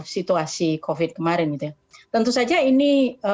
situasi covid kemarin tentu saja ini